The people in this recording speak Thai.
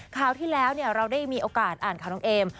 คราวที่แล้วเราได้มีโอกาสอ่านข่าวน้องเอม